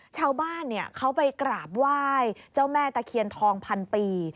ชาวบ้านเขาไปกราบไหว้เจ้าแม่ตะเคียนทองพันปี